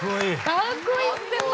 かっこいいです。